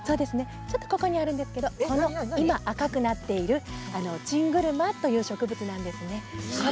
ここにあるんですけど今、赤くなっているチングルマという植物なんですね。